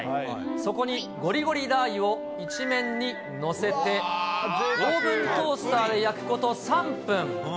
そこにゴリゴリラー油を一面に載せて、オーブントースターで焼くこと３分。